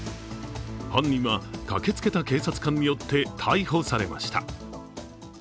犯人は駆けつけた警察官によって逮捕されました。